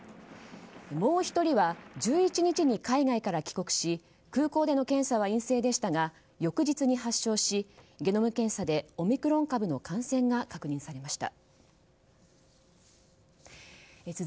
もう１人は１１日に海外から帰国し空港での検査は陰性でしたが翌日に発症しゲノム検査でオミクロン株の感染が確認されました。